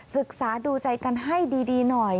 ศึกษาดูใจกันให้ดีหน่อย